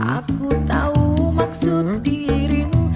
aku tau maksud dirimu